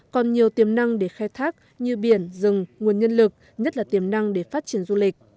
còn nhiều tiềm năng để khai thác như biển rừng nguồn nhân lực nhất là tiềm năng để phát triển du lịch